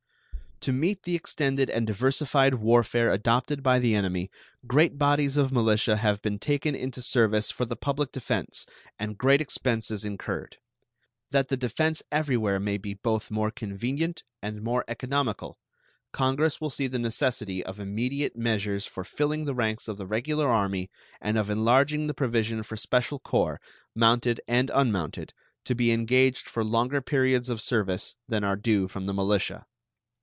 To meet the extended and diversified warfare adopted by the enemy, great bodies of militia have been taken into service for the public defense, and great expenses incurred. That the defense everywhere may be both more convenient and more economical, Congress will see the necessity of immediate measures for filling the ranks of the Regular Army and of enlarging the provision for special corps, mounted and unmounted, to be engaged for longer periods of service than are due from the militia.